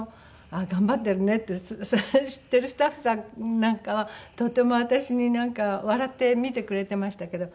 「あっ頑張ってるね」って知ってるスタッフさんなんかはとても私に笑って見てくれてましたけど。